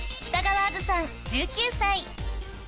北川安珠さん１９歳］